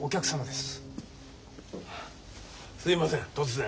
すいません突然。